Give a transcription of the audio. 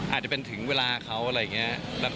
อาจจะเป็นถึงเวลาเขาอะไรอย่างนี้